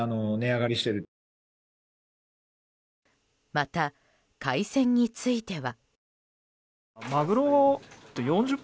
また、海鮮については。